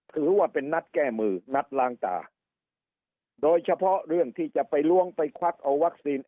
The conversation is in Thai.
ถือว่าเป็นนัดแก้มือนัดล้างตาโดยเฉพาะเรื่องที่จะไปล้วงไปควักเอาวัคซีน